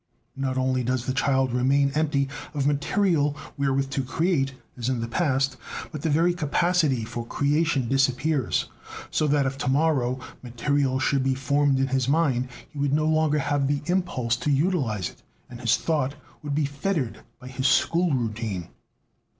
Not only does the child remain empty of material wherewith to create, as in the past, but the very capacity for creation disappears, so that if, to morrow, material should be formed in his mind, he would no longer have the impulse to utilize it, and his thought would be fettered by his school routine.